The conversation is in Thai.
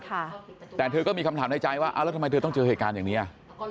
แต่เธอก็มีคำถามในใจว่าอ้าวแล้วทำไมเธอต้องเจอเหตุการณ์อย่างเนี้ย